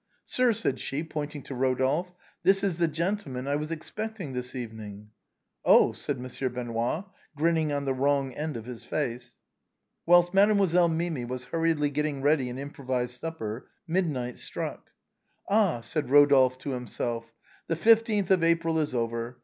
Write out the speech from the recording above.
Sir," said she, pointing to Rodolphe, " this is the gen tleman I was expecting this evening." " Oh !" said Monsieur Benoît, grinning on the wrong side of his face. Whilst Mademoiselle Mimi was hurriedly getting ready an improvised supper, midnight struck. " Ah !" said Eodolphe to himself, " the 15th of April is over.